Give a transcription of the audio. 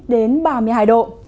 đến ba mươi hai độ